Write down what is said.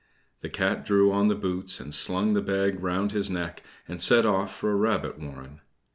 The Cat drew on the boots and slung the bag round his neck and set off for a rabbit warren.